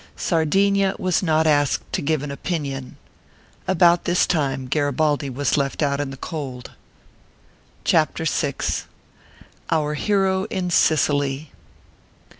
Sardinia was not asked to give an opinion. About this time Garibaldi was left out in the cold. CHAPTER VI. OUR HERO IN SICILY.